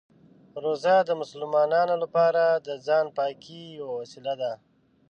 روژه د مسلمانانو لپاره د ځان پاکۍ یوه وسیله ده.